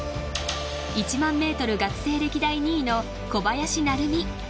１万メートル学生歴代２位の小林成美。